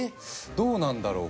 どうなんだろうか。